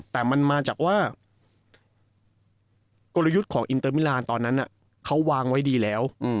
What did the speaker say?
แต่มันมาจากว่ากลยุทธ์ของอินเตอร์มิลานตอนนั้นเขาวางไว้ดีแล้ว